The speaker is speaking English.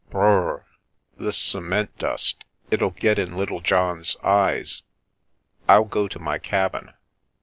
Br rr r! this cement dust! It'll get into Littlejohn's eyes. I'll go to my cabin."